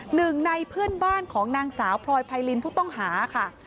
หนึ่งในเพื่อนบ้านของนางสาวพลอยไพรินผู้ต้องหาค่ะ